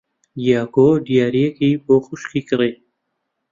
دیاکۆ دیارییەکی بۆ خوشکی کڕی.